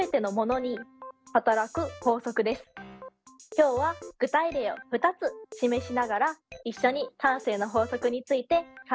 今日は具体例を２つ示しながら一緒に慣性の法則について考えていきましょう。